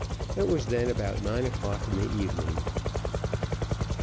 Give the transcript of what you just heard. It was then about nine o'clock in the evening.